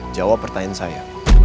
jawab pertanyaan saya